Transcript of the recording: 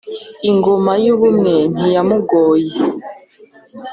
ingoma y’u bungwe ntiyamugoye